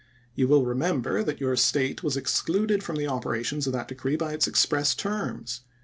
You will remember that your State was excluded from the operations of that decree by its express terms.